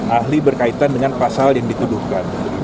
ahli berkaitan dengan pasal yang dituduhkan